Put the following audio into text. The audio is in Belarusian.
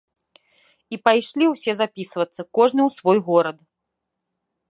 І пайшлі ўсе запісвацца, кожны ў свой горад.